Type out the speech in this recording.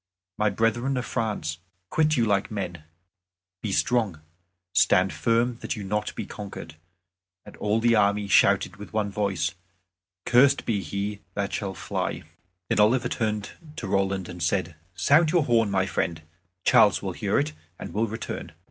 My brethren of France, quit you like men, be strong; stand firm that you be not conquered." And all the army shouted with one voice, "Cursed be he that shall fly." Then Oliver turned to Roland, and said, "Sound your horn; my friend, Charles will hear it, and will return."